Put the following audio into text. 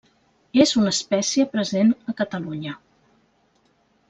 És una espècie present a Catalunya.